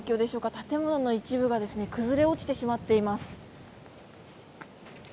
建物の一部が崩れ落ちてしまっています。